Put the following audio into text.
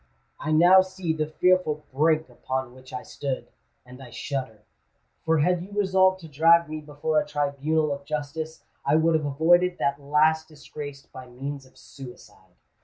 I now see the fearful brink upon which I stood—and I shudder; for had you resolved to drag me before a tribunal of justice, I would have avoided that last disgrace by means of suicide."